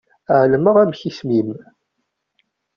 Ԑelmeɣ amek isem-im.